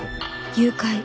「誘拐」。